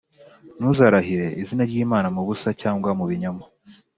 Ntuzarahire izina ryimana mubusa cyangwa mubinyoma